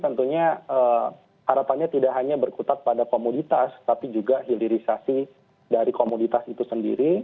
dan tentunya ya masalah investasi tentunya harapannya tidak hanya berkutat pada komoditas tapi juga hilirisasi dari komoditas itu sendiri